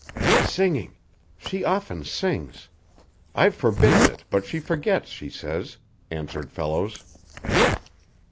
_" "Singing. She often sings. I've forbidden it, but she forgets, she says," answered Fellows.